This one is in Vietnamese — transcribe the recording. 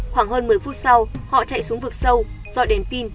khoảng hơn một mươi phút sau họ chạy xuống vực sâu dọn đèn pin